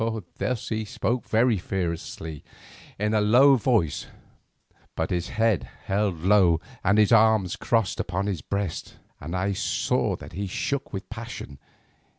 Thus he spoke very fiercely and in a low voice, his head held low and his arms crossed upon his breast, and I saw that he shook with passion.